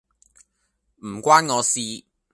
唔關我事